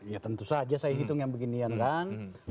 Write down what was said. ya tentu saja saya hitung yang beginian kan